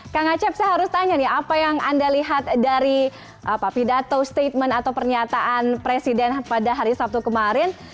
kang acep saya harus tanya nih apa yang anda lihat dari pidato statement atau pernyataan presiden pada hari sabtu kemarin